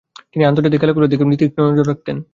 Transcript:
তিনি আন্তর্জাতিক খেলাগুলোর দিকেও তীক্ষ্ণ নজর রাখতেন।